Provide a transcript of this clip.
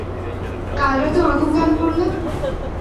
কাল রাতে ওরকম কেন করলে?